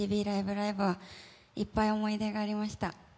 ライブ！」はいっぱい思い出がありました。